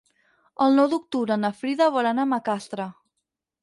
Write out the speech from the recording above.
El nou d'octubre na Frida vol anar a Macastre.